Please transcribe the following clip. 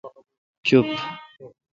چوپ۔